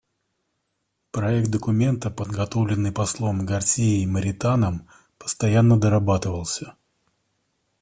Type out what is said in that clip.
Проект документа, подготовленный послом Гарсией Моританом, постоянно дорабатывался.